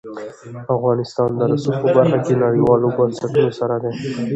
افغانستان د رسوب په برخه کې له نړیوالو بنسټونو سره دی.